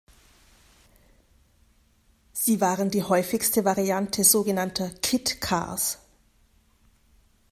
Sie waren die häufigste Variante so genannter Kit Cars.